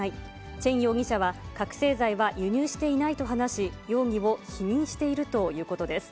チェン容疑者は、覚醒剤は輸入していないと話し、容疑を否認しているということです。